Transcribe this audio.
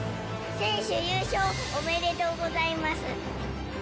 選手、優勝おめでとうございます。